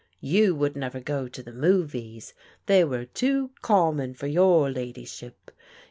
You would never go to the movies ; they were too common for your ladyship.